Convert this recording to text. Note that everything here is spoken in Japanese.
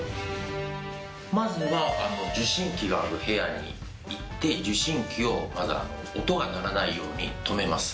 まずは受信機がある部屋に行って受信機をまだ音が鳴らないように止めます。